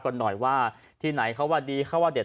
กันหน่อยว่าที่ไหนเขาว่าดีเขาว่าเด็ด